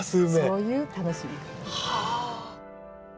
そういう楽しみ方。